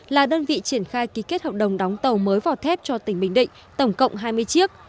là đơn vị triển khai ký kết hợp đồng đóng tàu mới vỏ thép cho tỉnh bình định tổng cộng hai mươi chiếc